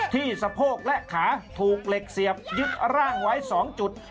สะโพกและขาถูกเหล็กเสียบยึดร่างไว้๒จุด